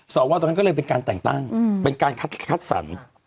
สวตอนนั้นก็เลยเป็นการแต่งตั้งเป็นการคัดสรร